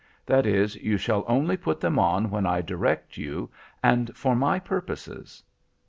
That is, you shall only put them on when I direct you, and for my purposes.